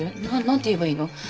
何て言えばいいの？